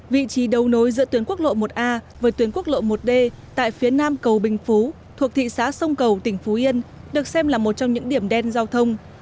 vị trí đấu nối giữa tuyến quốc lộ một a với tuyến quốc lộ một d tại phía nam cầu bình phú thuộc thị xã sông cầu tỉnh phú yên được xem là một trong những điểm đen giao thông